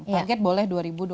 target boleh dua ribu dua puluh